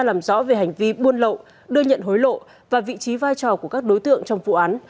làm rõ về hành vi buôn lậu đưa nhận hối lộ và vị trí vai trò của các đối tượng trong vụ án